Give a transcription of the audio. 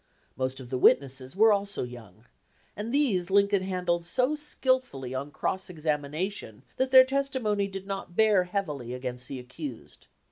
Most of the witnesses were also young, and these Lincoln handled so skilfully on cross examination that their testi mony did not bear heavily against the accused.